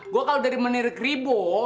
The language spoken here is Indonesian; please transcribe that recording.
gua kalo dari menir kribo